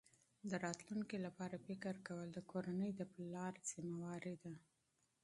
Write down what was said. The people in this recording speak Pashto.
د راتلونکي لپاره فکر کول د کورنۍ د پلار مسؤلیت دی.